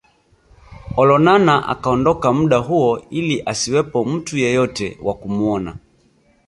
Olonana akaondoka muda huo ili asiwepo mtu yeyote wa kumuona